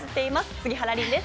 杉原凜です。